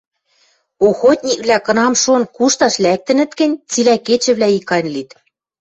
Охотниквлӓ кынам-шон кушташ лӓктӹнӹт гӹнь, цилӓ кечӹвлӓ икань лит